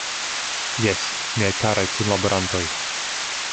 Jes, miaj karaj kunlaborantoj!